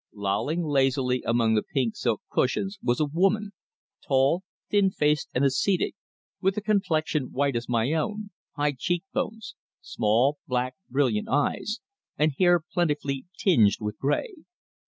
Lolling lazily among the pink silk cushions was a woman, tall, thin faced and ascetic, with a complexion white as my own, high cheek bones, small black, brilliant eyes, and hair plentifully tinged with grey.